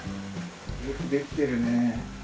よく出来てるね。